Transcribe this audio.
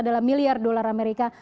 dalam miliar dolar amerika